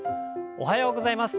おはようございます。